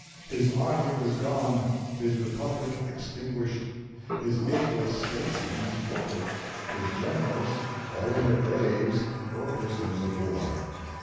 His army was gone, his Republic extinguished, his ablest statesman deported, his generals all in their graves or prisoners of war.